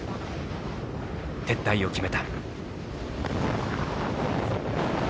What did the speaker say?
撤退を決めた。